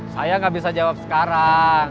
saya nggak bisa jawab sekarang